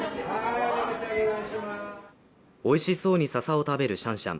おいしそうにささを食べるシャンシャン。